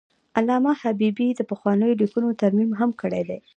علامه حبیبي د پخوانیو لیکنو ترمیم هم کړی دی.